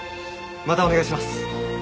またお願いします。